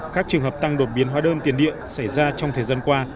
các trường hợp tăng đột biến hóa đơn tiền điện xảy ra trong thời gian qua